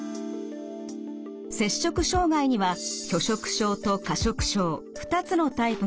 摂食障害には拒食症と過食症２つのタイプがあります。